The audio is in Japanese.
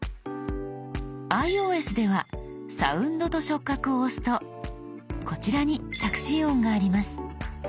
ｉＯＳでは「サウンドと触覚」を押すとこちらに「着信音」があります。